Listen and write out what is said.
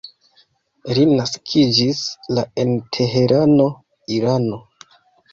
Li naskiĝis la en Teherano, Irano.